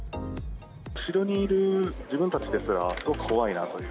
後ろにいる自分たちですら怖いなという。